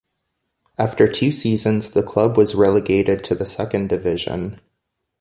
After two seasons, the club was relegated to the Second Division.